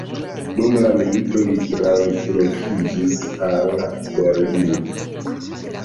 Dum la milito li translokiĝis al Berlin.